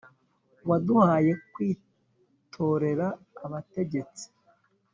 Waduhaye kwitorera abategetsi.